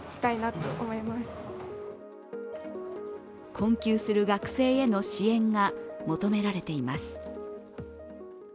困窮する学生への支援が求められています。